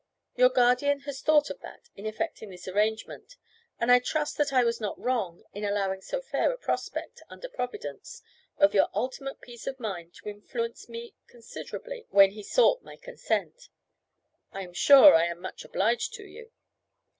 Your guardian has thought of that, in effecting this arrangement; and I trust that I was not wrong in allowing so fair a prospect, under Providence, of your ultimate peace of mind to influence me considerably when he sought my consent." "I am sure I am much obliged to you."